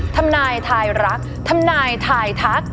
ธำนายไทยรักธำนายไทยทัก